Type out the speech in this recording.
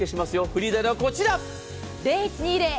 フリーダイヤルはこちら。